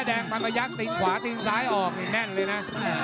แดงมันพยักษ์ตีนขวาตีนซ้ายออกนี่แน่นเลยนะ